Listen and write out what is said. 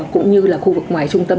cũng như khu vực ngoài trung tâm